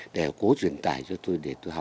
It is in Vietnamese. để cố truyền tải cho nhà hát